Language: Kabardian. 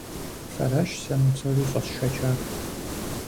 Фэращ сэ мы псори щӀэсшэчар.